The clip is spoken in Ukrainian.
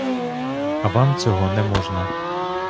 А вам цього не можна.